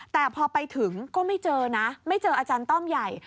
แต่พอไปถึงก็ไม่เจอนะไม่เจออาจารย์ต้อมใหญ่